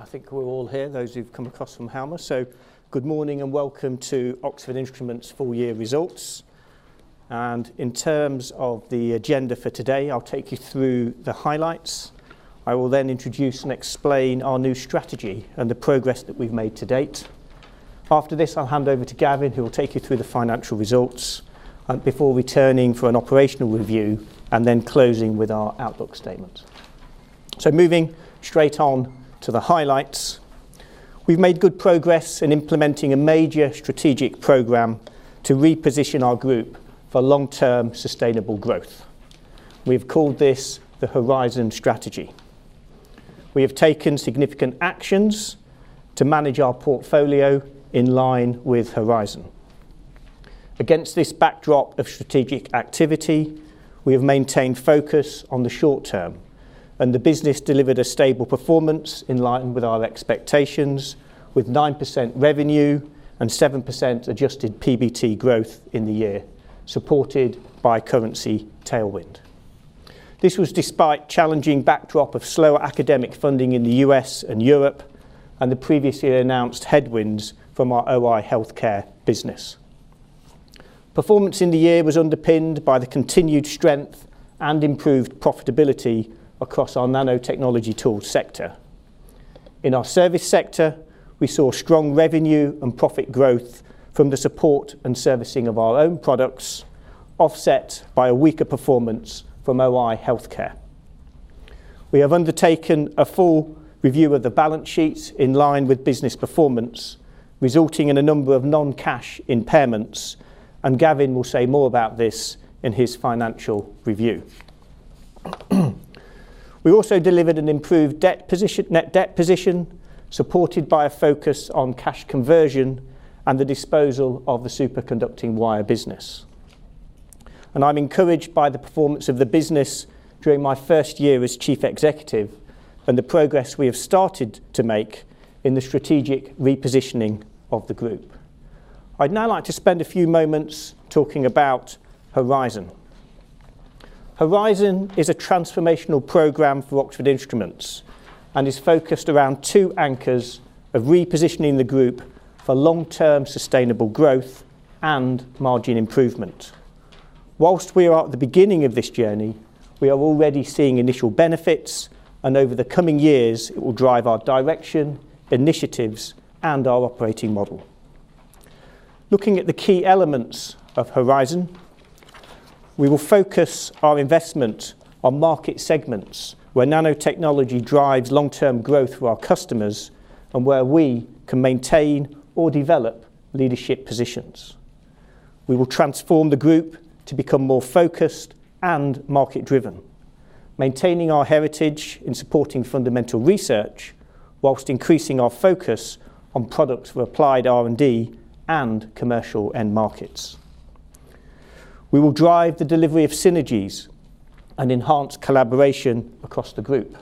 I think we're all here, those who've come across from [Hau'ma]. Good morning and welcome to Oxford Instruments' full year results. In terms of the agenda for today, I'll take you through the highlights. I will then introduce and explain our new strategy and the progress that we've made to date. After this, I'll hand over to Gavin, who will take you through the financial results before returning for an operational review and then closing with our outlook statement. Moving straight on to the highlights. We've made good progress in implementing a major strategic program to reposition our group for long-term sustainable growth. We've called this the Horizon Strategy. We have taken significant actions to manage our portfolio in line with Horizon. Against this backdrop of strategic activity, we have maintained focus on the short term, and the business delivered a stable performance in line with our expectations, with 9% revenue and 7% adjusted PBT growth in the year, supported by currency tailwind. This was despite challenging backdrop of slower academic funding in the U.S. and Europe and the previously announced headwinds from our OI Healthcare business. Performance in the year was underpinned by the continued strength and improved profitability across our nanotechnology tools sector. In our service sector, we saw strong revenue and profit growth from the support and servicing of our own products, offset by a weaker performance from OI Healthcare. We have undertaken a full review of the balance sheets in line with business performance, resulting in a number of non-cash impairments, and Gavin will say more about this in his financial review. We also delivered an improved net debt position, supported by a focus on cash conversion and the disposal of the superconducting wire business. I am encouraged by the performance of the business during my first year as Chief Executive and the progress we have started to make in the strategic repositioning of the group. I would now like to spend a few moments talking about Horizon. Horizon is a transformational program for Oxford Instruments and is focused around two anchors of repositioning the group for long-term sustainable growth and margin improvement. Whilst we are at the beginning of this journey, we are already seeing initial benefits, and over the coming years, it will drive our direction, initiatives, and our operating model. Looking at the key elements of Horizon, we will focus our investment on market segments where nanotechnology drives long-term growth for our customers and where we can maintain or develop leadership positions. We will transform the group to become more focused and market-driven, maintaining our heritage in supporting fundamental research whilst increasing our focus on products for applied R&D and commercial end markets. We will drive the delivery of synergies and enhance collaboration across the group.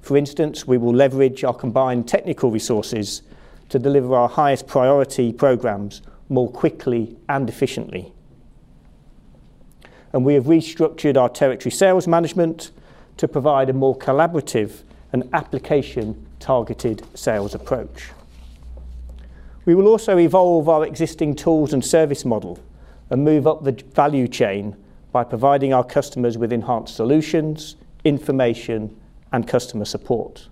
For instance, we will leverage our combined technical resources to deliver our highest priority programs more quickly and efficiently. We have restructured our territory sales management to provide a more collaborative and application-targeted sales approach. We will also evolve our existing tools and service model and move up the value chain by providing our customers with enhanced solutions, information, and customer support.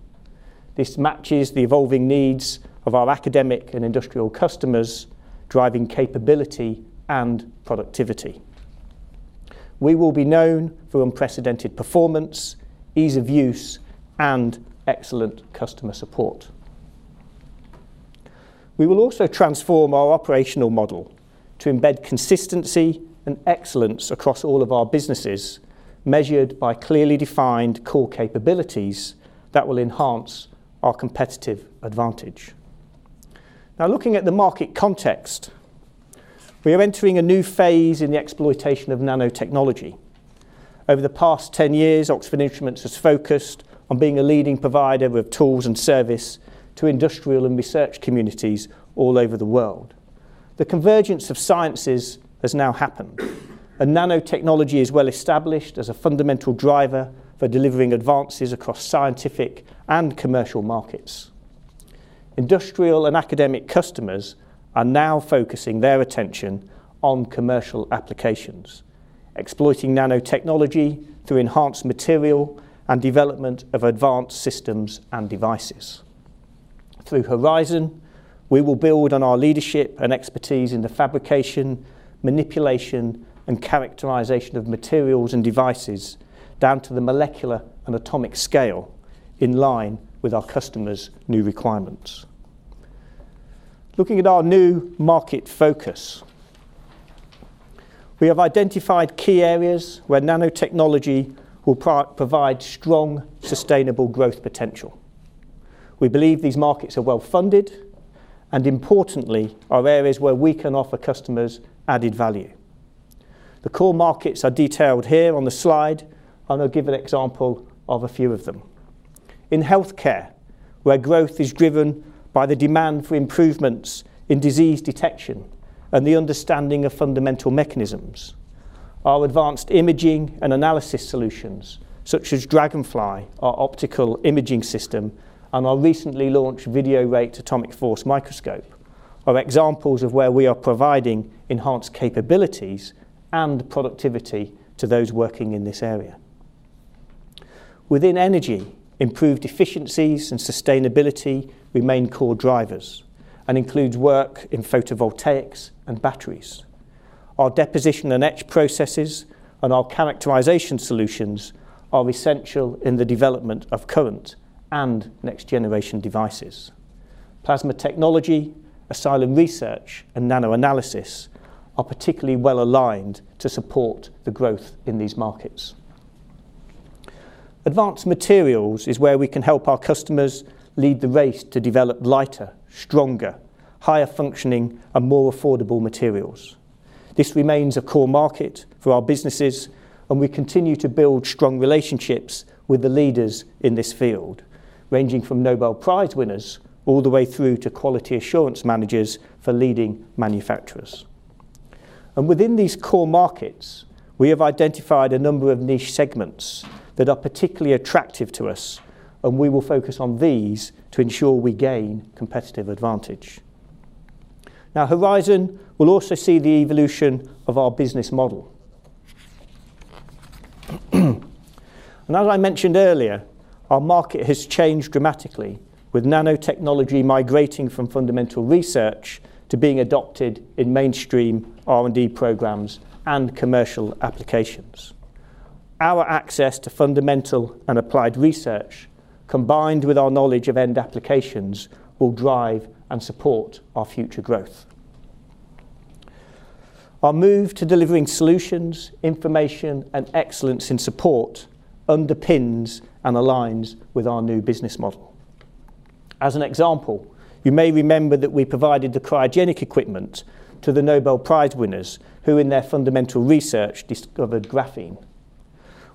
This matches the evolving needs of our academic and industrial customers, driving capability and productivity. We will be known for unprecedented performance, ease of use, and excellent customer support. We will also transform our operational model to embed consistency and excellence across all of our businesses, measured by clearly defined core capabilities that will enhance our competitive advantage. Now, looking at the market context, we are entering a new phase in the exploitation of nanotechnology. Over the past 10 years, Oxford Instruments has focused on being a leading provider with tools and service to industrial and research communities all over the world. The convergence of sciences has now happened, and nanotechnology is well established as a fundamental driver for delivering advances across scientific and commercial markets. Industrial and academic customers are now focusing their attention on commercial applications, exploiting nanotechnology through enhanced material and development of advanced systems and devices. Through Horizon, we will build on our leadership and expertise in the fabrication, manipulation, and characterization of materials and devices down to the molecular and atomic scale in line with our customers' new requirements. Looking at our new market focus, we have identified key areas where nanotechnology will provide strong sustainable growth potential. We believe these markets are well funded and, importantly, are areas where we can offer customers added value. The core markets are detailed here on the slide, and I'll give an example of a few of them. In healthcare, where growth is driven by the demand for improvements in disease detection and the understanding of fundamental mechanisms, our advanced imaging and analysis solutions, such as DragonFly, our optical imaging system, and our recently launched Videorate atomic force microscope, are examples of where we are providing enhanced capabilities and productivity to those working in this area. Within energy, improved efficiencies and sustainability remain core drivers and include work in photovoltaics and batteries. Our deposition and etch processes and our characterization solutions are essential in the development of current and next-generation devices. Plasma technology, Asylum Research, and NanoAnalysis are particularly well aligned to support the growth in these markets. Advanced materials is where we can help our customers lead the race to develop lighter, stronger, higher-functioning, and more affordable materials. This remains a core market for our businesses, and we continue to build strong relationships with the leaders in this field, ranging from Nobel Prize winners all the way through to quality assurance managers for leading manufacturers. Within these core markets, we have identified a number of niche segments that are particularly attractive to us, and we will focus on these to ensure we gain competitive advantage. Now, Horizon will also see the evolution of our business model. As I mentioned earlier, our market has changed dramatically, with nanotechnology migrating from fundamental research to being adopted in mainstream R&D programs and commercial applications. Our access to fundamental and applied research, combined with our knowledge of end applications, will drive and support our future growth. Our move to delivering solutions, information, and excellence in support underpins and aligns with our new business model. As an example, you may remember that we provided the cryogenic equipment to the Nobel Prize winners who, in their fundamental research, discovered graphene.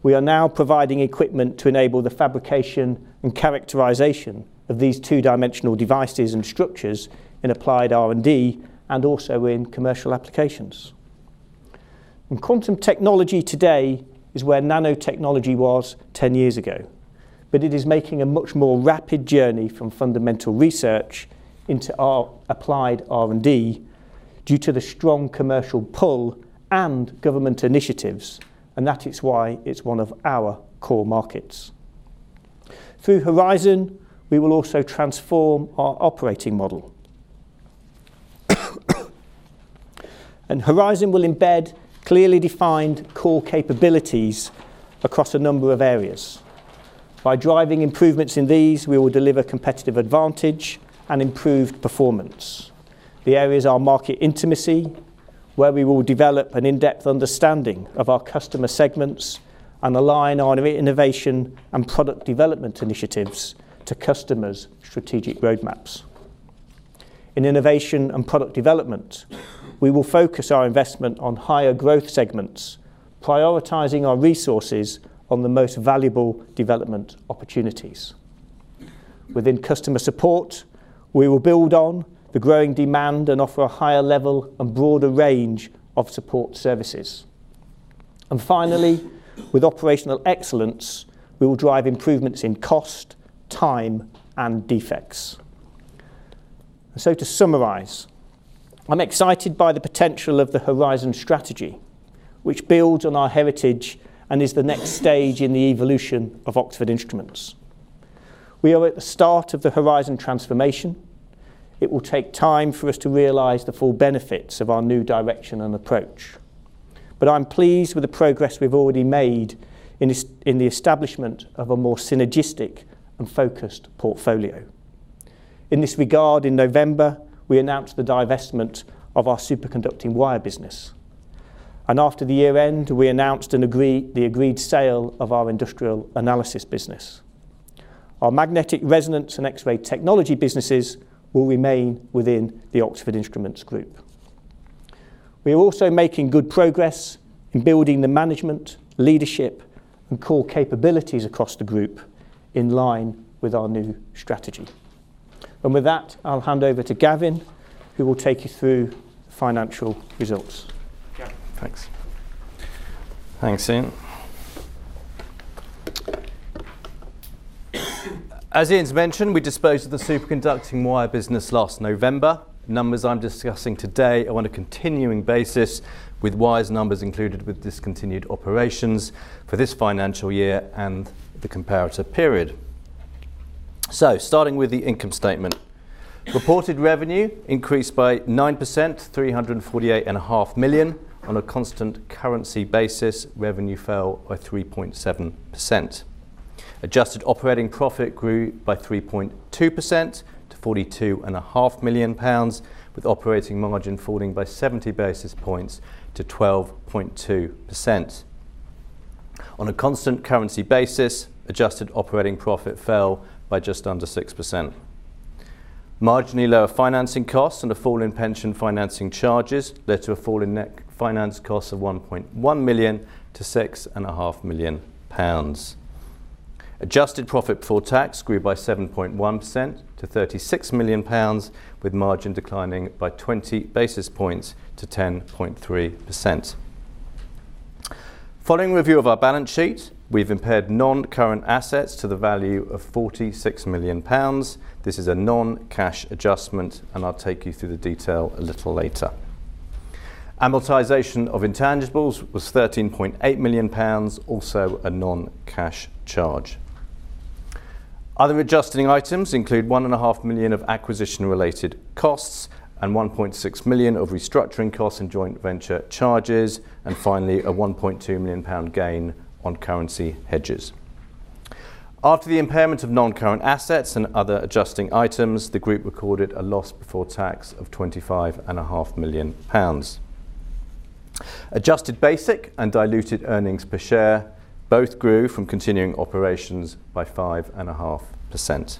We are now providing equipment to enable the fabrication and characterization of these two-dimensional devices and structures in applied R&D and also in commercial applications. Quantum technology today is where nanotechnology was 10 years ago, but it is making a much more rapid journey from fundamental research into our applied R&D due to the strong commercial pull and government initiatives, and that is why it's one of our core markets. Through Horizon, we will also transform our operating model. Horizon will embed clearly defined core capabilities across a number of areas. By driving improvements in these, we will deliver competitive advantage and improved performance. The areas are market intimacy, where we will develop an in-depth understanding of our customer segments and align our innovation and product development initiatives to customers' strategic roadmaps. In innovation and product development, we will focus our investment on higher growth segments, prioritizing our resources on the most valuable development opportunities. Within customer support, we will build on the growing demand and offer a higher level and broader range of support services. Finally, with operational excellence, we will drive improvements in cost, time, and defects. To summarize, I'm excited by the potential of the Horizon Strategy, which builds on our heritage and is the next stage in the evolution of Oxford Instruments. We are at the start of the Horizon transformation. It will take time for us to realize the full benefits of our new direction and approach. I'm pleased with the progress we've already made in the establishment of a more synergistic and focused portfolio. In this regard, in November, we announced the divestment of our superconducting wire business. After the year-end, we announced the agreed sale of our industrial analysis business. Our magnetic resonance and X-ray technology businesses will remain within the Oxford Instruments Group. We are also making good progress in building the management, leadership, and core capabilities across the group in line with our new strategy. With that, I'll hand over to Gavin, who will take you through the financial results. Thanks. Thanks, Ian. As Ian mentioned, we disposed of the superconducting wire business last November. Numbers I'm discussing today are on a continuing basis, with wire numbers included with discontinued operations for this financial year and the comparator period. Starting with the income statement, reported revenue increased by 9% to 348.5 million. On a constant currency basis, revenue fell by 3.7%. Adjusted operating profit grew by 3.2% to 42.5 million pounds, with operating margin falling by 70 basis points to 12.2%. On a constant currency basis, adjusted operating profit fell by just under 6%. Marginally lower financing costs and a fall in pension financing charges led to a fall in net finance costs of 1.1 million to 6.5 million pounds. Adjusted profit before tax grew by 7.1% to 36 million pounds, with margin declining by 20 basis points to 10.3%. Following review of our balance sheet, we've impaired non-current assets to the value of 46 million pounds. This is a non-cash adjustment, and I'll take you through the detail a little later. Amortization of intangibles was 13.8 million pounds, also a non-cash charge. Other adjusting items include 1.5 million of acquisition-related costs and 1.6 million of restructuring costs and joint venture charges, and finally, a 1.2 million pound gain on currency hedges. After the impairment of non-current assets and other adjusting items, the group recorded a loss before tax of 25.5 million pounds. Adjusted basic and diluted earnings per share both grew from continuing operations by 5.5%.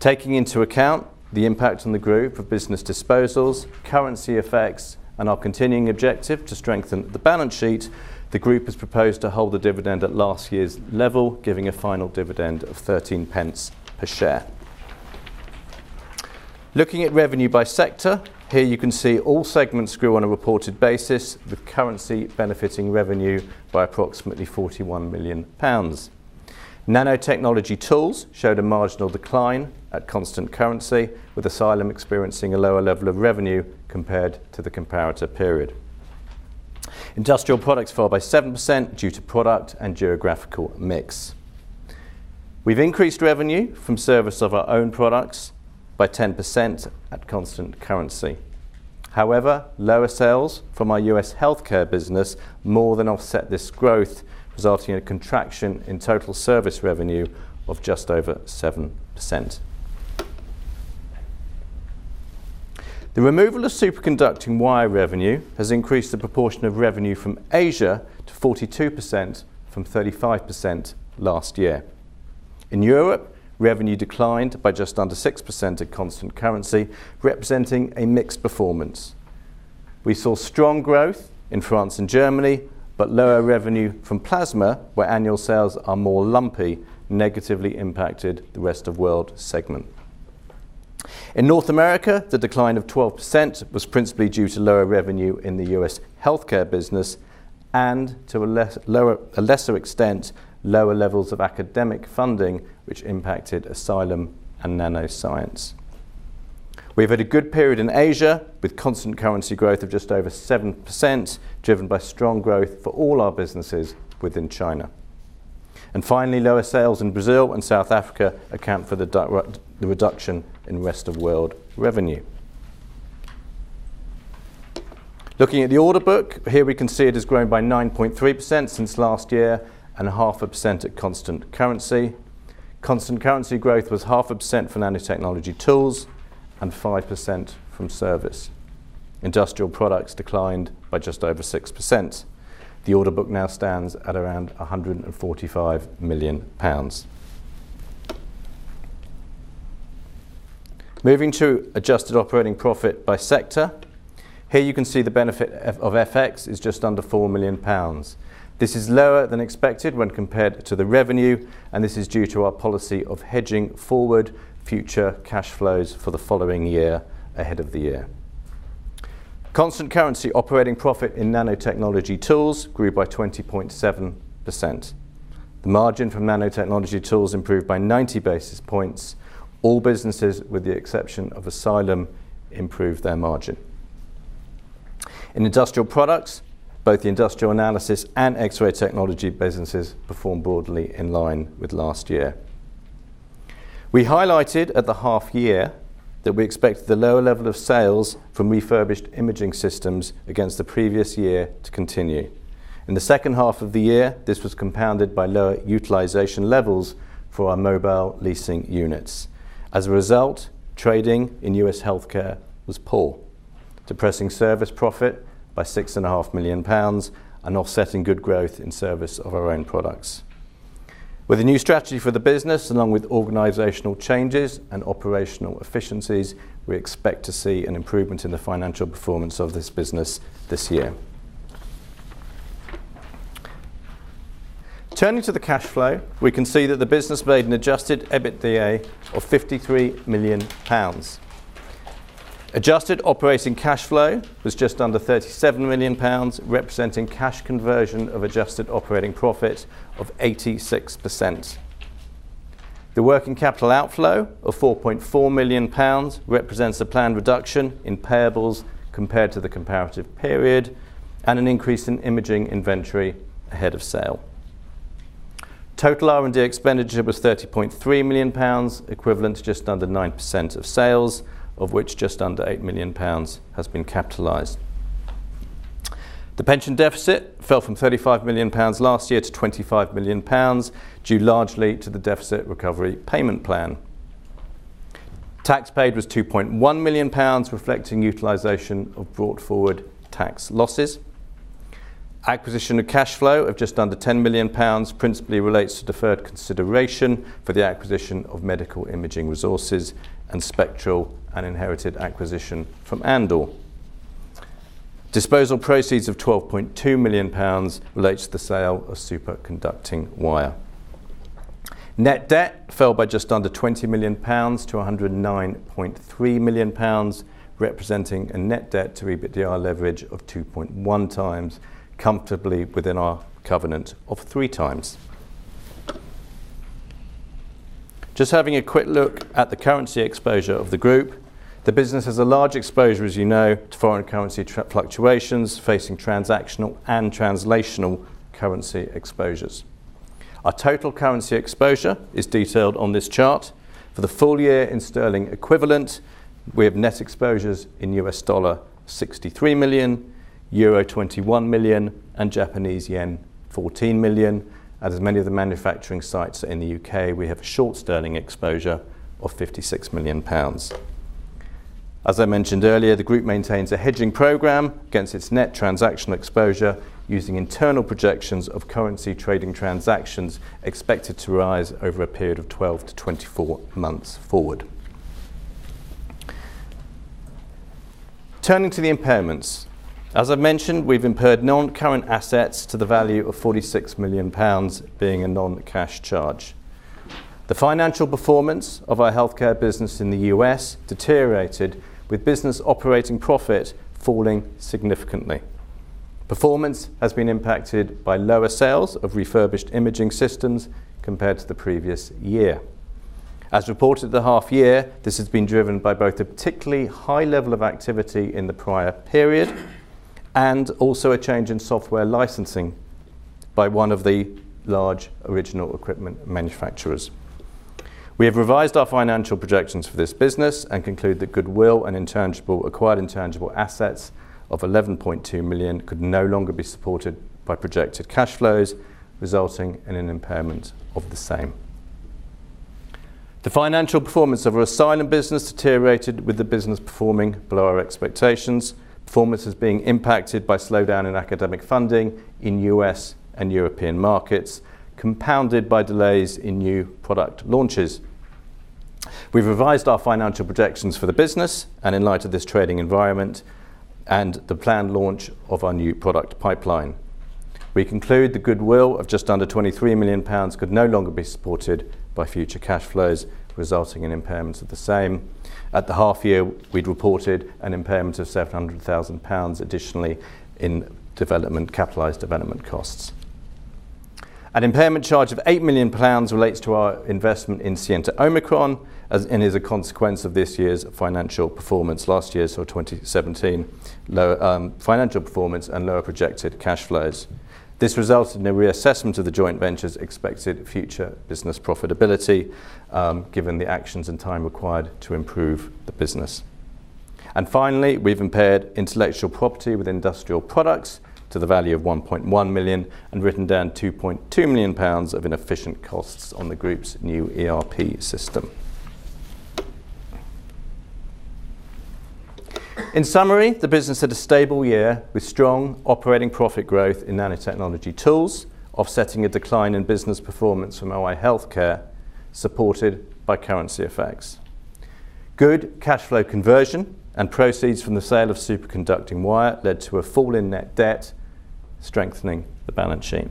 Taking into account the impact on the group of business disposals, currency effects, and our continuing objective to strengthen the balance sheet, the group has proposed to hold the dividend at last year's level, giving a final dividend of 0.13 per share. Looking at revenue by sector, here you can see all segments grew on a reported basis, with currency benefiting revenue by approximately 41 million pounds. Nanotechnology tools showed a marginal decline at constant currency, with Asylum Research experiencing a lower level of revenue compared to the comparator period. Industrial products fell by 7% due to product and geographical mix. We've increased revenue from service of our own products by 10% at constant currency. However, lower sales from our US healthcare business more than offset this growth, resulting in a contraction in total service revenue of just over 7%. The removal of superconducting wire revenue has increased the proportion of revenue from Asia to 42% from 35% last year. In Europe, revenue declined by just under 6% at constant currency, representing a mixed performance. We saw strong growth in France and Germany, but lower revenue from plasma, where annual sales are more lumpy, negatively impacted the rest of world segment. In North America, the decline of 12% was principally due to lower revenue in the US healthcare business and, to a lesser extent, lower levels of academic funding, which impacted Asylum and nanoscience. We've had a good period in Asia, with constant currency growth of just over 7%, driven by strong growth for all our businesses within China. Lower sales in Brazil and South Africa account for the reduction in rest of world revenue. Looking at the order book, here we can see it has grown by 9.3% since last year and 0.5% at constant currency. Constant currency growth was 0.5% for nanotechnology tools and 5% from service. Industrial products declined by just over 6%. The order book now stands at around 145 million pounds. Moving to adjusted operating profit by sector, here you can see the benefit of FX is just under 4 million pounds. This is lower than expected when compared to the revenue, and this is due to our policy of hedging forward future cash flows for the following year ahead of the year. Constant currency operating profit in nanotechnology tools grew by 20.7%. The margin from nanotechnology tools improved by 90 basis points. All businesses, with the exception of Asylum, improved their margin. In industrial products, both the industrial analysis and X-ray technology businesses performed broadly in line with last year. We highlighted at the half year that we expect the lower level of sales from refurbished imaging systems against the previous year to continue. In the second half of the year, this was compounded by lower utilization levels for our mobile leasing units. As a result, trading in US healthcare was poor, depressing service profit by 6.5 million pounds and offsetting good growth in service of our own products. With a new strategy for the business, along with organizational changes and operational efficiencies, we expect to see an improvement in the financial performance of this business this year. Turning to the cash flow, we can see that the business made an adjusted EBITDA of 53 million pounds. Adjusted operating cash flow was just under 37 million pounds, representing cash conversion of adjusted operating profit of 86%. The working capital outflow of 4.4 million pounds represents a planned reduction in payables compared to the comparative period and an increase in imaging inventory ahead of sale. Total R&D expenditure was 30.3 million pounds, equivalent to just under 9% of sales, of which just under 8 million pounds has been capitalized. The pension deficit fell from 35 million pounds last year to 25 million pounds, due largely to the deficit recovery payment plan. Tax paid was 2.1 million pounds, reflecting utilization of brought forward tax losses. Acquisition of cash flow of just under 10 million pounds principally relates to deferred consideration for the acquisition of Medical Imaging Resources and Spectral and inherited acquisition from Andor. Disposal proceeds of 12.2 million pounds relates to the sale of superconducting wire. Net debt fell by just under 20 million pounds to 109.3 million pounds, representing a net debt to EBITDA leverage of 2.1 times, comfortably within our covenant of three times. Just having a quick look at the currency exposure of the group, the business has a large exposure, as you know, to foreign currency fluctuations facing transactional and translational currency exposures. Our total currency exposure is detailed on this chart. For the full year in sterling equivalent, we have net exposures in $63 million, euro 21 million, and Japanese yen 14 million. As many of the manufacturing sites are in the U.K., we have a short sterling exposure of 56 million pounds. As I mentioned earlier, the group maintains a hedging program against its net transactional exposure using internal projections of currency trading transactions expected to arise over a period of 12 to 24 months forward. Turning to the impairments, as I mentioned, we've impaired non-current assets to the value of 46 million pounds, being a non-cash charge. The financial performance of our healthcare business in the U.S. deteriorated, with business operating profit falling significantly. Performance has been impacted by lower sales of refurbished imaging systems compared to the previous year. As reported the half year, this has been driven by both a particularly high level of activity in the prior period and also a change in software licensing by one of the large original equipment manufacturers. We have revised our financial projections for this business and conclude that goodwill and acquired intangible assets of 11.2 million could no longer be supported by projected cash flows, resulting in an impairment of the same. The financial performance of our Asylum business deteriorated, with the business performing below our expectations. Performance is being impacted by slowdown in academic funding in the U.S. and European markets, compounded by delays in new product launches. We've revised our financial projections for the business and in light of this trading environment and the planned launch of our new product pipeline. We conclude the goodwill of just under GBP 23 million could no longer be supported by future cash flows, resulting in impairments of the same. At the half year, we'd reported an impairment of 700,000 pounds additionally in capitalized development costs. An impairment charge of 8 million pounds relates to our investment in Scienta Omicron and is a consequence of this year's financial performance, last year's or 2017 financial performance and lower projected cash flows. This resulted in a reassessment of the joint venture's expected future business profitability, given the actions and time required to improve the business. Finally, we've impaired intellectual property with industrial products to the value of 1.1 million and written down 2.2 million pounds of inefficient costs on the group's new ERP system. In summary, the business had a stable year with strong operating profit growth in nanotechnology tools, offsetting a decline in business performance from OI Healthcare, supported by currency effects. Good cash flow conversion and proceeds from the sale of superconducting wire led to a fall in net debt, strengthening the balance sheet.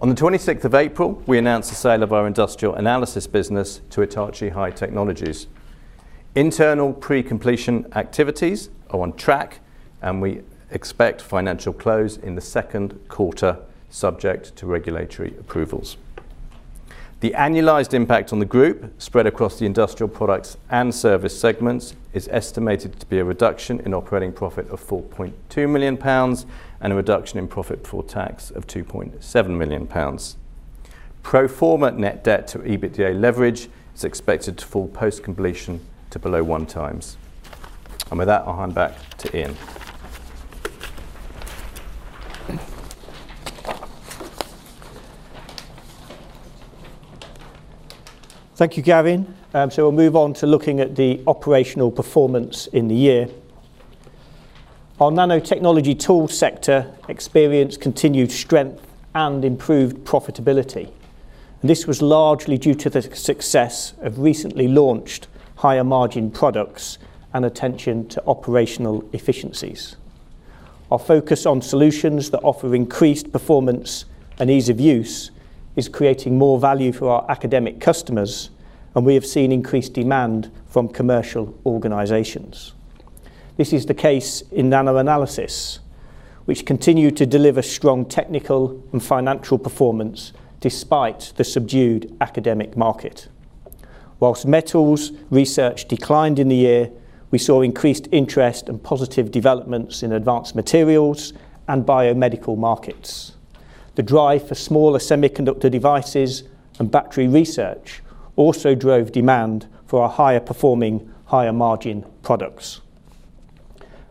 On the 26th of April, we announced the sale of our industrial analysis business to Hitachi High Technologies. Internal pre-completion activities are on track, and we expect financial close in the second quarter, subject to regulatory approvals. The annualized impact on the group, spread across the industrial products and service segments, is estimated to be a reduction in operating profit of GBP 4.2 million and a reduction in profit before tax of GBP 2.7 million. Pro forma net debt to EBITDA leverage is expected to fall post-completion to below one times. With that, I'll hand back to Ian. Thank you, Gavin. We will move on to looking at the operational performance in the year. Our nanotechnology tool sector experienced continued strength and improved profitability. This was largely due to the success of recently launched higher margin products and attention to operational efficiencies. Our focus on solutions that offer increased performance and ease of use is creating more value for our academic customers, and we have seen increased demand from commercial organizations. This is the case in nano analysis, which continued to deliver strong technical and financial performance despite the subdued academic market. Whilst metals research declined in the year, we saw increased interest and positive developments in advanced materials and biomedical markets. The drive for smaller semiconductor devices and battery research also drove demand for our higher performing, higher margin products.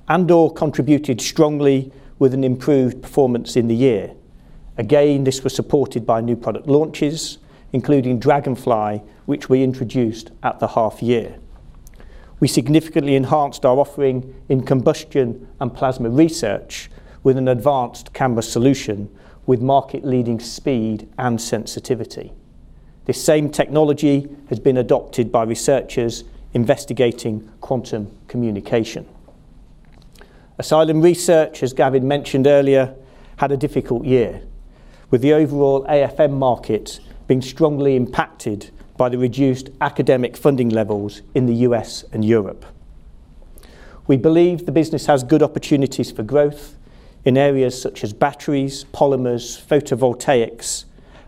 Andor contributed strongly with an improved performance in the year. Again, this was supported by new product launches, including DragonFly, which we introduced at the half year. We significantly enhanced our offering in combustion and plasma research with an advanced Canvas solution with market-leading speed and sensitivity. This same technology has been adopted by researchers investigating quantum communication. Asylum Research, as Gavin mentioned earlier, had a difficult year, with the overall AFM market being strongly impacted by the reduced academic funding levels in the U.S. and Europe. We believe the business has good opportunities for growth in areas such as batteries, polymers, photovoltaics,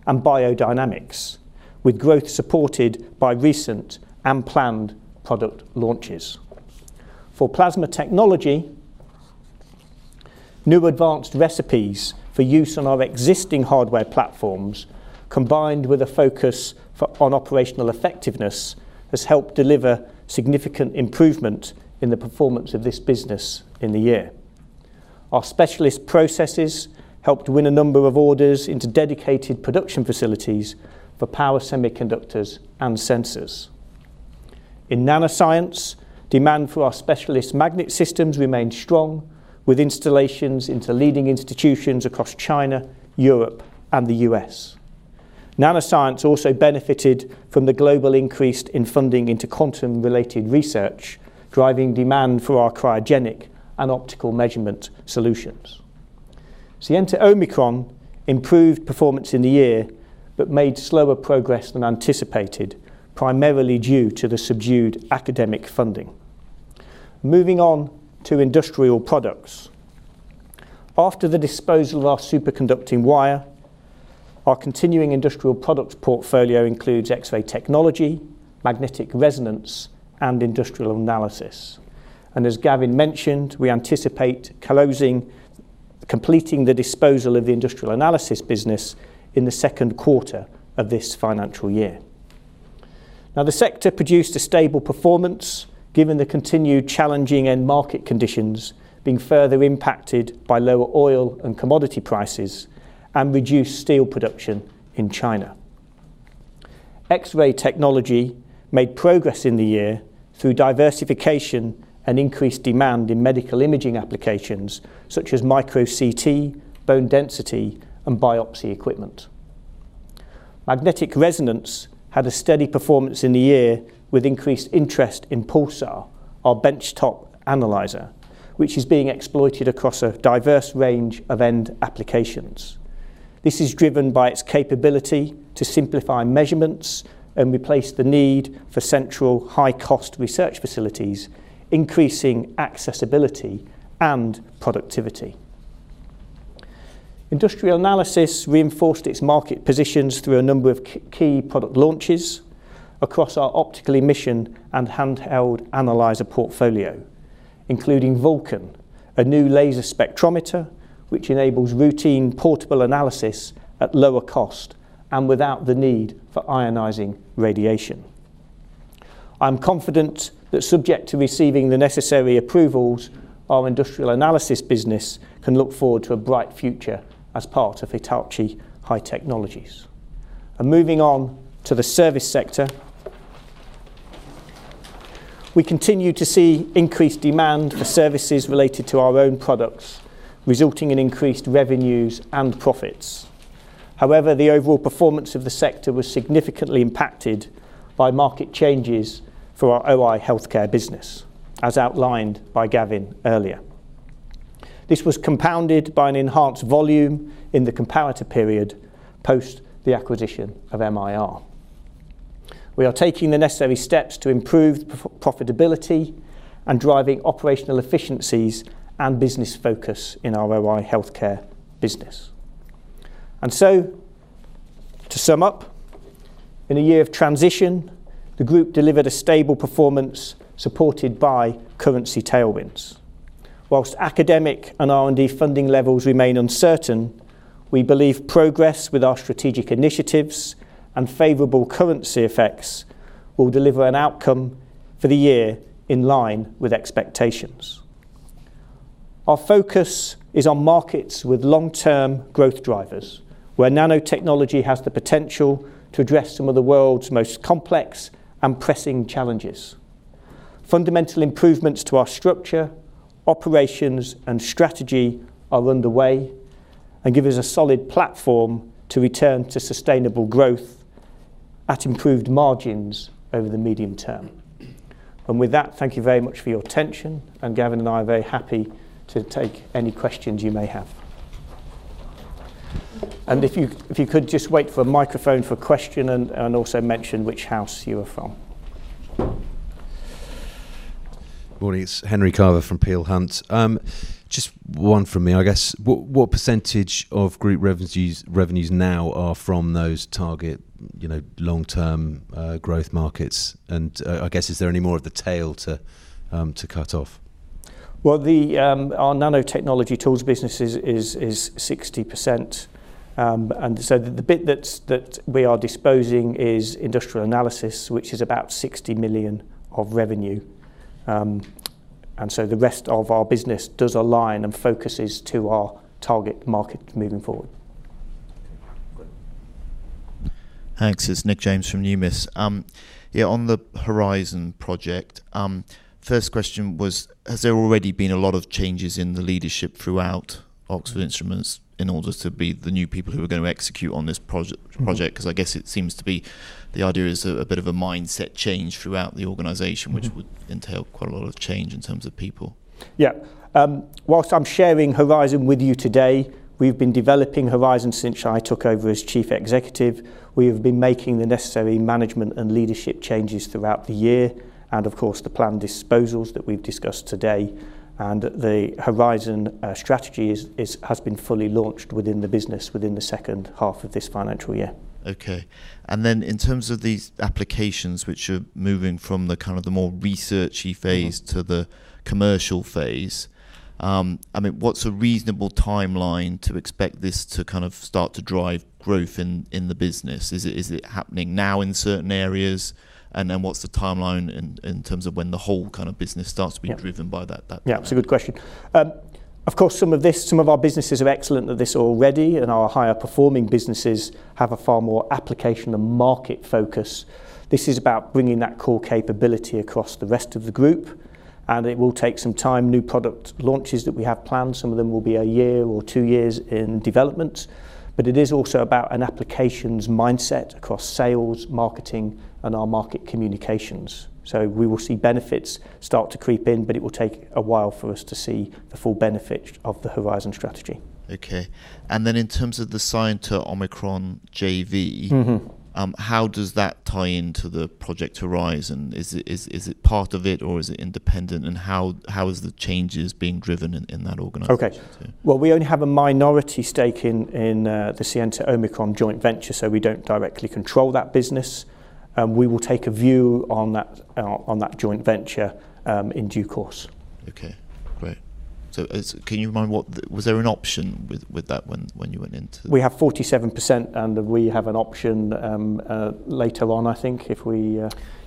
and biodynamics, with growth supported by recent and planned product launches. For Plasma Technology, new advanced recipes for use on our existing hardware platforms, combined with a focus on operational effectiveness, has helped deliver significant improvement in the performance of this business in the year. Our specialist processes helped win a number of orders into dedicated production facilities for power semiconductors and sensors. In nanoscience, demand for our specialist magnet systems remained strong, with installations into leading institutions across China, Europe, and the U.S. Nanoscience also benefited from the global increase in funding into quantum-related research, driving demand for our cryogenic and optical measurement solutions. Scienta Omicron improved performance in the year but made slower progress than anticipated, primarily due to the subdued academic funding. Moving on to industrial products. After the disposal of our superconducting wire, our continuing industrial products portfolio includes X-ray technology, magnetic resonance, and industrial analysis. As Gavin mentioned, we anticipate closing, completing the disposal of the industrial analysis business in the second quarter of this financial year. Now, the sector produced a stable performance given the continued challenging end market conditions being further impacted by lower oil and commodity prices and reduced steel production in China. X-ray technology made progress in the year through diversification and increased demand in medical imaging applications such as micro-CT, bone density, and biopsy equipment. Magnetic resonance had a steady performance in the year with increased interest in Pulsar, our benchtop analyzer, which is being exploited across a diverse range of end applications. This is driven by its capability to simplify measurements and replace the need for central high-cost research facilities, increasing accessibility and productivity. Industrial analysis reinforced its market positions through a number of key product launches across our optical emission and handheld analyzer portfolio, including Vulcan, a new laser spectrometer which enables routine portable analysis at lower cost and without the need for ionizing radiation. I'm confident that subject to receiving the necessary approvals, our industrial analysis business can look forward to a bright future as part of Hitachi High Technologies. Moving on to the service sector, we continue to see increased demand for services related to our own products, resulting in increased revenues and profits. However, the overall performance of the sector was significantly impacted by market changes for our OI Healthcare business, as outlined by Gavin earlier. This was compounded by an enhanced volume in the comparative period post the acquisition of MIR. We are taking the necessary steps to improve profitability and driving operational efficiencies and business focus in our OI Healthcare business. To sum up, in a year of transition, the group delivered a stable performance supported by currency tailwinds. Whilst academic and R&D funding levels remain uncertain, we believe progress with our strategic initiatives and favorable currency effects will deliver an outcome for the year in line with expectations. Our focus is on markets with long-term growth drivers, where nanotechnology has the potential to address some of the world's most complex and pressing challenges. Fundamental improvements to our structure, operations, and strategy are underway and give us a solid platform to return to sustainable growth at improved margins over the medium term. Thank you very much for your attention, and Gavin and I are very happy to take any questions you may have. If you could just wait for a microphone for a question and also mention which house you are from. Morning, it's Henry Carver from Peel Hunt. Just one from me, I guess. What percentage of group revenues now are from those target long-term growth markets? I guess, is there any more of the tail to cut off? Our nanotechnology tools business is 60%. The bit that we are disposing is industrial analysis, which is about 60 million of revenue. The rest of our business does align and focuses to our target market moving forward. Thanks. It's Nick James from Numis. Yeah, on the Horizon project, first question was, has there already been a lot of changes in the leadership throughout Oxford Instruments in order to be the new people who are going to execute on this project? I guess it seems to be the idea is a bit of a mindset change throughout the organization, which would entail quite a lot of change in terms of people. Yeah. Whilst I'm sharing Horizon with you today, we've been developing Horizon since I took over as Chief Executive. We have been making the necessary management and leadership changes throughout the year. Of course, the planned disposals that we've discussed today and the Horizon strategy has been fully launched within the business within the second half of this financial year. Okay. In terms of these applications which are moving from the kind of the more researchy phase to the commercial phase, I mean, what's a reasonable timeline to expect this to kind of start to drive growth in the business? Is it happening now in certain areas? What's the timeline in terms of when the whole kind of business starts to be driven by that? Yeah, that's a good question. Of course, some of our businesses are excellent at this already, and our higher performing businesses have a far more application and market focus. This is about bringing that core capability across the rest of the group. It will take some time. New product launches that we have planned, some of them will be a year or two years in development. It is also about an applications mindset across sales, marketing, and our market communications. We will see benefits start to creep in, but it will take a while for us to see the full benefit of the Horizon Strategy. Okay. In terms of the Scienta Omicron JV, how does that tie into the project Horizon? Is it part of it, or is it independent? How are the changes being driven in that organization? Okay. We only have a minority stake in the Scienta Omicron joint venture, so we do not directly control that business. We will take a view on that joint venture in due course. Okay. Great. Can you remind what was there an option with that when you went into the? We have 47%, and we have an option later on, I think, if we...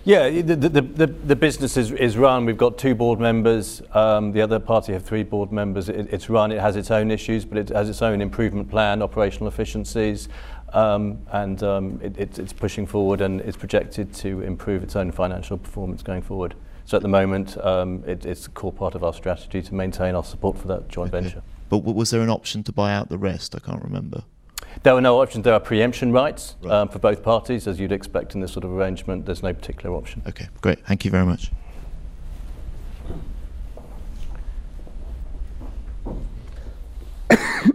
Yeah, the business is run. We have two board members. The other party have three board members. It is run. It has its own issues, but it has its own improvement plan, operational efficiencies. It is pushing forward, and it is projected to improve its own financial performance going forward. At the moment, it is a core part of our strategy to maintain our support for that joint venture. Was there an option to buy out the rest? I cannot remember. There were no options. There are preemption rights for both parties. As you'd expect in this sort of arrangement, there's no particular option. Okay. Great. Thank you very much. Thanks.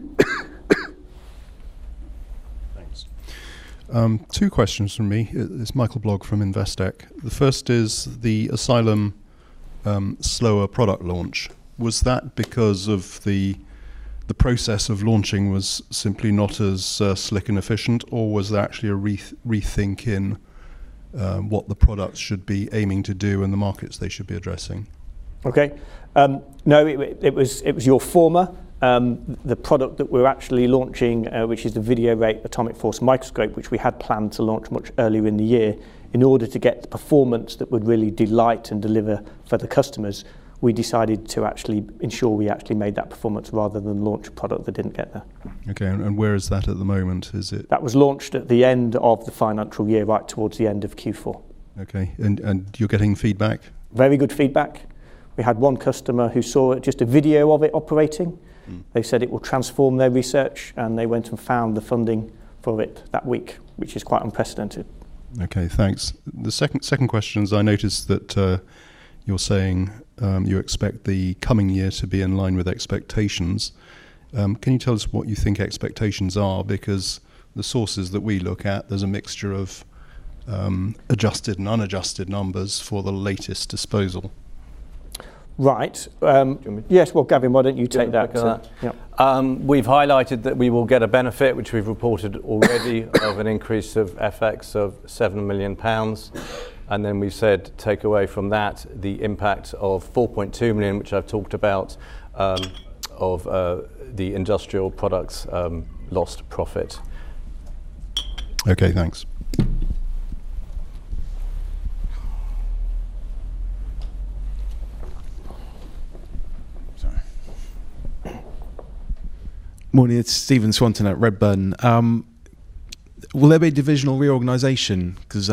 Two questions from me. It's Michael Blogg from Investec. The first is the Asylum slower product launch. Was that because the process of launching was simply not as slick and efficient, or was there actually a rethink in what the products should be aiming to do and the markets they should be addressing? Okay. No, it was your former. The product that we're actually launching, which is the Video-rate atomic force microscope, which we had planned to launch much earlier in the year, in order to get the performance that would really delight and deliver for the customers, we decided to actually ensure we actually made that performance rather than launch a product that didn't get there. Okay. Where is that at the moment? Is it? That was launched at the end of the financial year, right towards the end of Q4. Okay. You're getting feedback? Very good feedback. We had one customer who saw just a video of it operating. They said it will transform their research, and they went and found the funding for it that week, which is quite unprecedented. Okay. Thanks. The second question is I noticed that you're saying you expect the coming year to be in line with expectations. Can you tell us what you think expectations are? Because the sources that we look at, there's a mixture of adjusted and unadjusted numbers for the latest disposal. Right. Yes. Gavin, why don't you take that? We've highlighted that we will get a benefit, which we've reported already, of an increase of FX of 7 million pounds. We have said, take away from that the impact of 4.2 million, which I have talked about, of the industrial products lost profit. Okay. Thanks. Sorry. Morning. It is Stephen Swanton at Redburn. Will there be a divisional reorganization? Because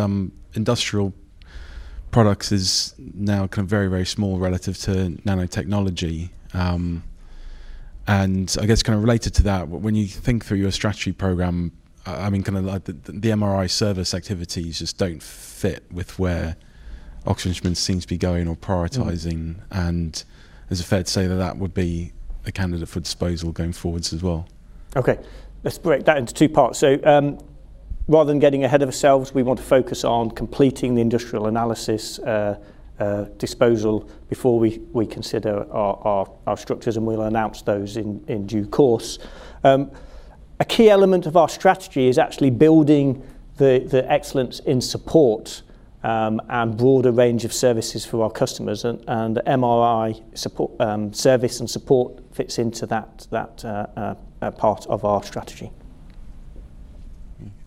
industrial products is now kind of very, very small relative to nanotechnology. I guess kind of related to that, when you think through your strategy program, I mean, kind of the MRI service activities just do not fit with where Oxford Instruments seems to be going or prioritizing. Is it fair to say that that would be a candidate for disposal going forwards as well? Okay. Let us break that into two parts. Rather than getting ahead of ourselves, we want to focus on completing the industrial analysis disposal before we consider our structures, and we will announce those in due course. A key element of our strategy is actually building the excellence in support and broader range of services for our customers. MRI service and support fits into that part of our strategy.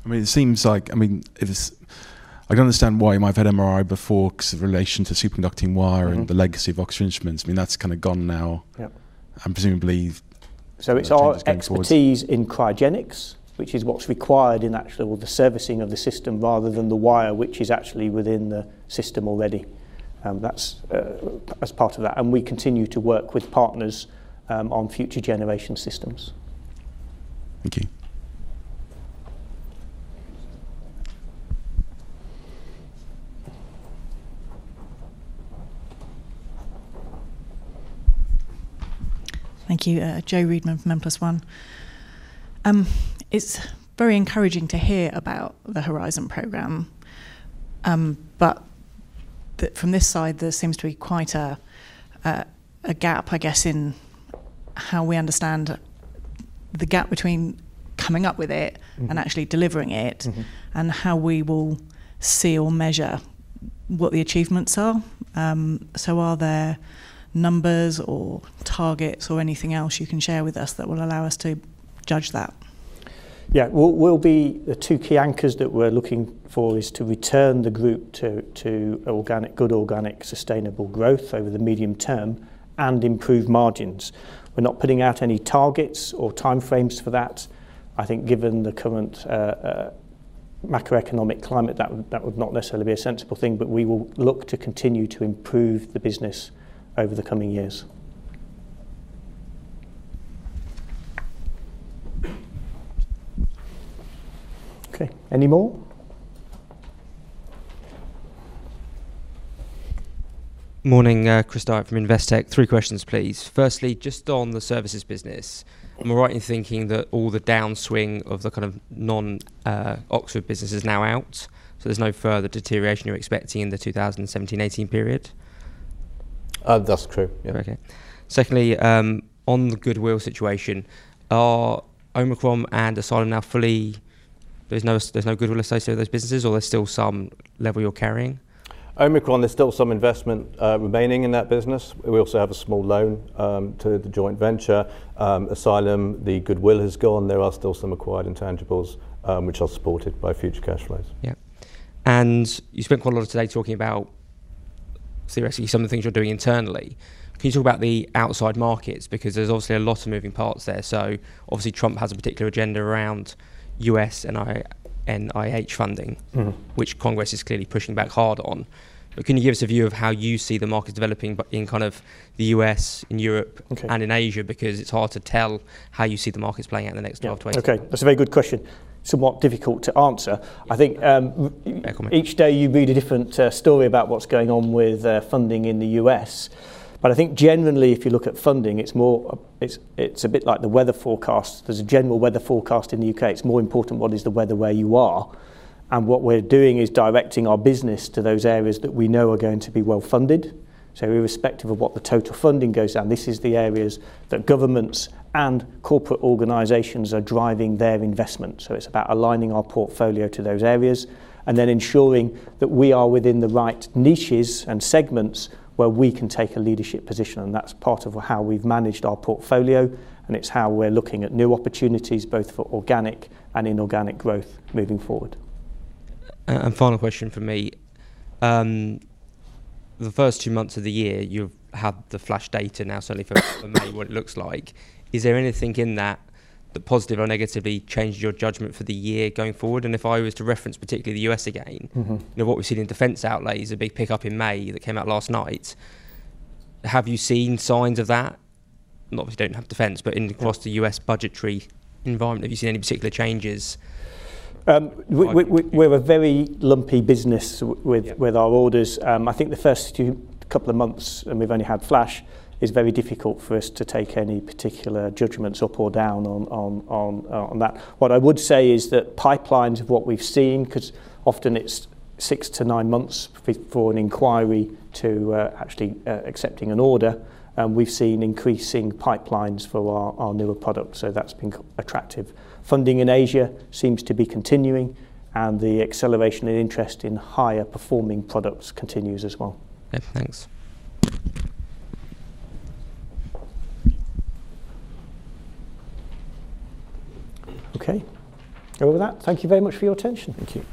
I mean, it seems like, I mean, I can understand why you might have had MRI before because of relation to superconducting wire and the legacy of Oxford Instruments. I mean, that's kind of gone now. Presumably, it's our expertise in cryogenics, which is what's required in actually the servicing of the system rather than the wire, which is actually within the system already. That's as part of that. We continue to work with partners on future generation systems. Thank you. Thank you. Jo Reedman from Avingtrans. It's very encouraging to hear about the Horizon program. From this side, there seems to be quite a gap, I guess, in how we understand the gap between coming up with it and actually delivering it and how we will see or measure what the achievements are. Are there numbers or targets or anything else you can share with us that will allow us to judge that? Yeah. There'll be the two key anchors that we're looking for, which is to return the group to good organic sustainable growth over the medium term and improve margins. We're not putting out any targets or timeframes for that. I think given the current macroeconomic climate, that would not necessarily be a sensible thing, but we will look to continue to improve the business over the coming years. Okay. Any more? Morning, Chris Dyk from Investec. Three questions, please. Firstly, just on the services business, am I right in thinking that all the downswing of the kind of non-Oxford business is now out? So there's no further deterioration you're expecting in the 2017-2018 period? That's true. Yeah. Okay. Secondly, on the goodwill situation, are Omicron and Asylum now fully. There's no goodwill associated with those businesses, or there's still some level you're carrying? Omicron, there's still some investment remaining in that business. We also have a small loan to the joint venture. Asylum, the goodwill has gone. There are still some acquired intangibles which are supported by future cash flows. Yeah. And you spent quite a lot of today talking about, theoretically, some of the things you're doing internally. Can you talk about the outside markets? Because there's obviously a lot of moving parts there. Obviously, Trump has a particular agenda around U.S. and IH funding, which Congress is clearly pushing back hard on. Can you give us a view of how you see the markets developing in kind of the U.S., in Europe, and in Asia? Because it's hard to tell how you see the markets playing out in the next 12, 20. Okay. That's a very good question. Somewhat difficult to answer. I think each day you read a different story about what's going on with funding in the U.S. I think generally, if you look at funding, it's a bit like the weather forecast. There's a general weather forecast in the U.K. It's more important what is the weather where you are. What we're doing is directing our business to those areas that we know are going to be well funded. Irrespective of what the total funding goes down, this is the areas that governments and corporate organizations are driving their investment. It is about aligning our portfolio to those areas and then ensuring that we are within the right niches and segments where we can take a leadership position. That is part of how we have managed our portfolio. It is how we are looking at new opportunities, both for organic and inorganic growth moving forward. Final question for me. The first two months of the year, you have had the flash data now, certainly for May, what it looks like. Is there anything in that that positively or negatively changed your judgment for the year going forward? If I was to reference particularly the U.S. again, what we have seen in defense outlays, a big pickup in May that came out last night. Have you seen signs of that? Not if you don't have defense, but across the U.S. budgetary environment, have you seen any particular changes? We're a very lumpy business with our orders. I think the first couple of months, and we've only had flash, is very difficult for us to take any particular judgments up or down on that. What I would say is that pipelines of what we've seen, because often it's six to nine months for an inquiry to actually accepting an order, we've seen increasing pipelines for our newer products. That has been attractive. Funding in Asia seems to be continuing, and the acceleration in interest in higher performing products continues as well. Okay. Thanks. Okay. That was that. Thank you very much for your attention. Thank you.